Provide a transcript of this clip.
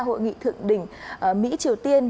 hội nghị thượng đỉnh mỹ triều tiên